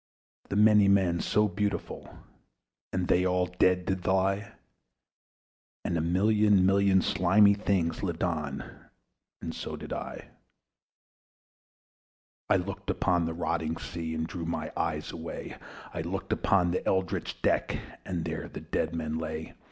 The many men, so beautiful! And they all dead did lie: And a thousand thousand slimy things Lived on; and so did I. I looked upon the rotting sea, And drew my eyes away; I looked upon the rotting deck, And there the dead men lay.